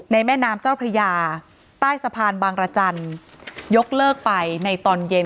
แม่น้ำเจ้าพระยาใต้สะพานบางรจันทร์ยกเลิกไปในตอนเย็น